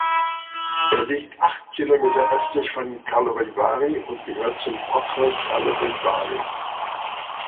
Er liegt acht Kilometer östlich von Karlovy Vary und gehört zum Okres Karlovy Vary.